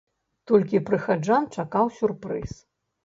Толькі прыхаджан чакаў сюрпрыз.